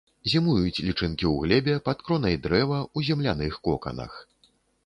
Зімуюць лічынкі ў глебе пад кронай дрэва, у земляных коканах.